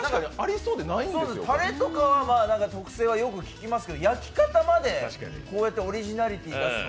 たれとかは特製はよく聴きますけど、焼き方までこうやってオリジナリティー出すの。